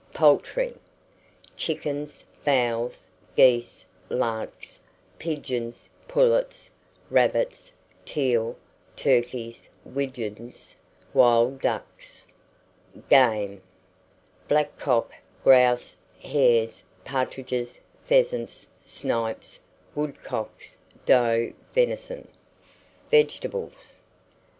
POULTRY. Chickens, fowls, geese, larks, pigeons, pullets, rabbits, teal, turkeys, widgeons, wild ducks. GAME. Blackcock, grouse, hares, partridges, pheasants, snipes, woodcocks, doe venison. VEGETABLES.